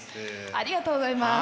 ありがとうございます。